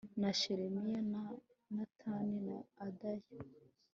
na shelemiya na natani na adaya